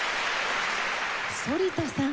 反田さん